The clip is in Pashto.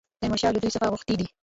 تیمورشاه له دوی څخه غوښتي دي.